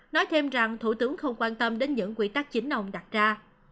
nói thêm rằng thủ tướng không quan tâm đến những quy tắc chính ông đặt ra